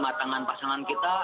juga pematangan pasangan kita